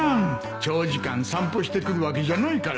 長時間散歩してくるわけじゃないから